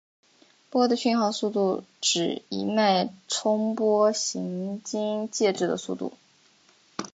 波的讯号速度是指一脉冲波行经介质的速度。